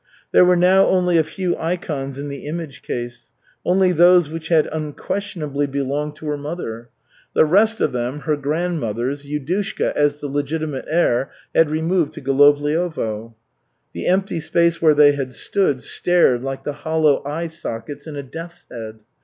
There were now only a few ikons in the image case, only those which had unquestionably belonged to her mother. The rest of them, her grandmother's, Yudushka, as the legitimate heir, had removed to Golovliovo. The empty spaces where they had stood stared like the hollow eye sockets in a deathshead.